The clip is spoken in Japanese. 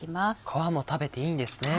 皮も食べていいんですね。